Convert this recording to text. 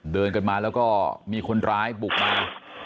เดินกันมาแล้วก็มีคนร้ายบุกมา